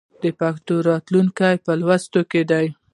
د پښتو راتلونکی په لوست کې دی.